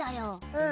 うん。